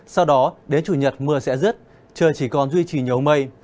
sau đó đến chủ nhật mưa sẽ dứt trời chỉ còn duy trì nhớ mây